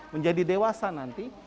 menjadi dewasa nanti